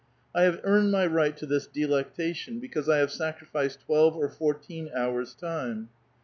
'* I have earned my right to this delectation, because I have sacrificed twelve or fourteen hours' time."